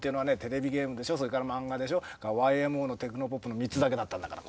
テクノポップの３つだけだったんだから。